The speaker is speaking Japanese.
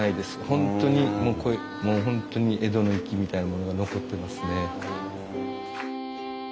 本当にもう本当に江戸の粋みたいなものが残ってますね。